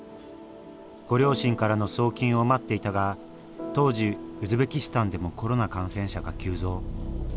ご両親からの送金を待っていたが当時ウズベキスタンでもコロナ感染者が急増。